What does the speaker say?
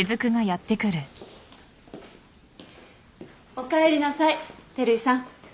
おかえりなさい照井さん。